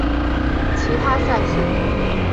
其他赛事